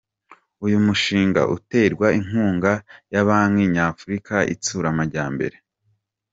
Uyu mushinga uterwa inkunga ya Banki Nyafurika Itsura Amajyambere.